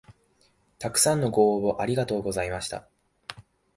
たくさんのご応募ありがとうございました